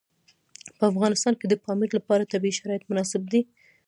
په افغانستان کې د پامیر لپاره طبیعي شرایط مناسب دي.